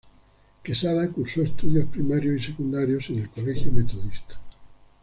Quesada curso estudios primarios y secundarios en el Colegio Metodista.